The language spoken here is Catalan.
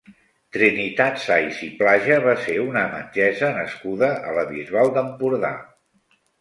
Trinitat Sais i Plaja va ser una metgessa nascuda a la Bisbal d'Empordà.